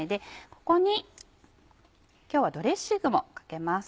ここに今日はドレッシングもかけます。